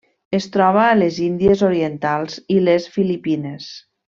Es troba a les Índies Orientals i les Filipines.